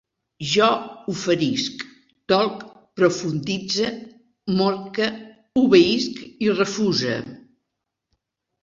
Jo oferisc, tolc, profunditze, morque, obeïsc, refuse